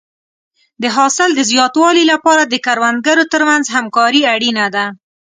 د حاصل د زیاتوالي لپاره د کروندګرو ترمنځ همکاري اړینه ده.